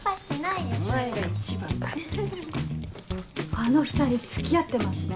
あの２人付き合ってますね。